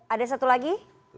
ada satu lagi